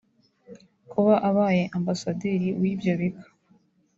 Kuba abaye Ambasaderi w'ibyo bigo